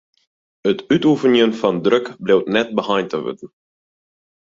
It útoefenjen fan druk bliuwt net beheind ta wurden.